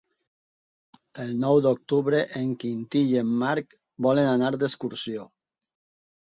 El nou d'octubre en Quintí i en Marc volen anar d'excursió.